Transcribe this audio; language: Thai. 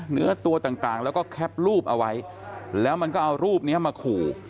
เนื้อตัวต่างแล้วก็แคปรูปเอาไว้แล้วมันก็เอารูปนี้มาขู่